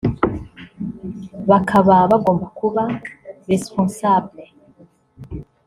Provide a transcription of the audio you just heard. bakaba bagomba kuba «responsables»